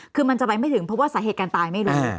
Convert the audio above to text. คือมันจะไปไม่ถึงเพราะว่าสาเหตุการณ์ตายไม่รู้